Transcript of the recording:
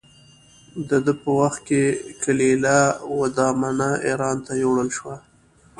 د ده په وخت کې کلیله و دمنه اېران ته یووړل شوه.